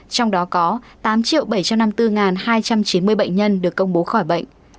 trong đó có tám bảy trăm năm mươi bốn hai trăm chín mươi bệnh nhân được công bố khỏi bệnh